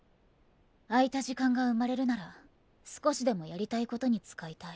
空いた時間が生まれるなら少しでもやりたい事に使いたい。